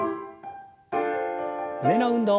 胸の運動。